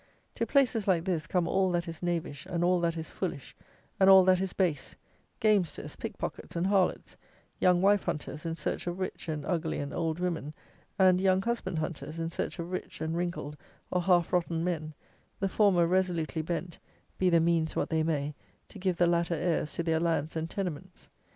To places like this come all that is knavish and all that is foolish and all that is base; gamesters, pickpockets, and harlots; young wife hunters in search of rich and ugly and old women, and young husband hunters in search of rich and wrinkled or half rotten men, the former resolutely bent, be the means what they may, to give the latter heirs to their lands and tenements.